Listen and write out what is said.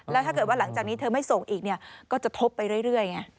แล้วถ้าเกิดว่าหลังจากนี้เธอไม่ส่งอีกเนี่ยก็จะทบไปเรื่อยไง